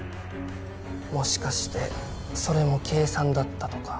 もしかしてそれも計算だったとか？